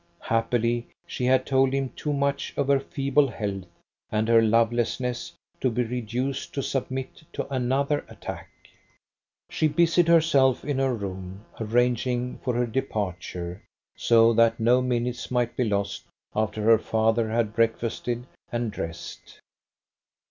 Happily, she had told him too much of her feeble health and her lovelessness to be reduced to submit to another attack. She busied herself in her room, arranging for her departure, so that no minutes might be lost after her father had breakfasted and dressed.